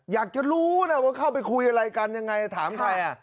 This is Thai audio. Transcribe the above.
อยากจะรู้นะว่าเข้าไปคุยอะไรกันยังไงถามใคร